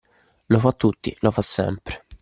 Lo fa a tutti, lo fa sempre.